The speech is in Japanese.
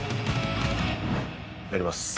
入ります。